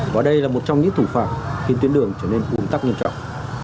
và đây là một trong những thủ phạm khiến tuyến đường trở nên ủn tắc nghiêm trọng